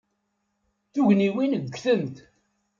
Tugniwin ggtent.